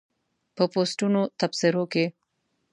په پوسټونو تبصرو کې